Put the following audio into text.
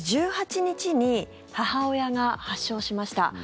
１８日に母親が発症しました。